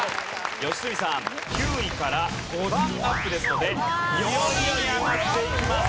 良純さん９位から５段アップですので４位に上がっていきます。